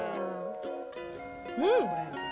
うん！